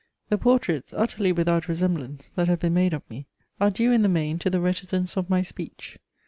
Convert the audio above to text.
The portraits, utterly without resemblance, that have been made of me, are due in the main to the reticence of my speech.